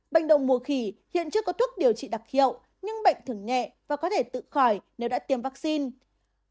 bệnh động mùa khỉ hiện chưa có thuốc điều trị đặc hiệu nhưng bệnh thường nhẹ và có thể tự khỏi nếu đã tiêm vaccine